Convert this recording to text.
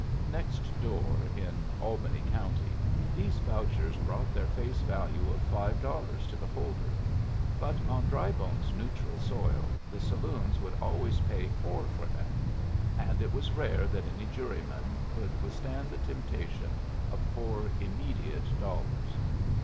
Next door, in Albany County, these vouchers brought their face value of five dollars to the holder; but on Drybone's neutral soil the saloons would always pay four for them, and it was rare that any jury man could withstand the temptation of four immediate dollars.